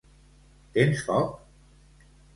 Tens foc?